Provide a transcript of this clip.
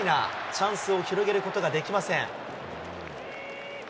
チャンスを広げることができません。